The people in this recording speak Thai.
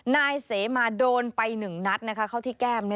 นายเสมาโดนไป๑นัดเข้าที่แก้ม